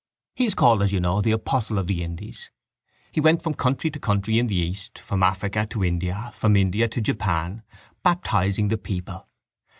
He is called, as you know, the apostle of the Indies. He went from country to country in the east, from Africa to India, from India to Japan, baptising the people.